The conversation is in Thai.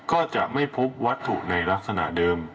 ก็จะไม่พบวัตถุในลักษณะเดิม